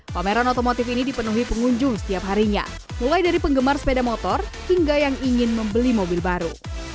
pameran otomotif ini dipenuhi pengunjung setiap harinya mulai dari penggemar sepeda motor hingga yang ingin membeli mobil baru